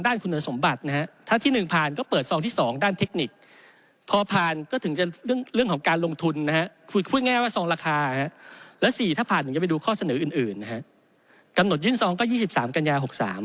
และ๔ถ้าพาดหนึ่งจะไปดูข้อเสนออื่นกำหนดยื่นซองก็๒๓กันยา๖๓